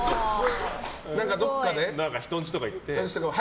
人の家とか行って。